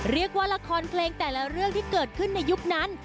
เรียกว่าละครเพลงแต่ละเรื่องที่เกิดขึ้นในยุคนั้น